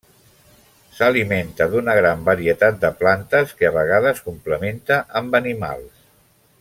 S'alimenta d'una gran varietat de plantes, que a vegades complementa amb animals.